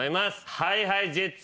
ＨｉＨｉＪｅｔｓ猪狩君。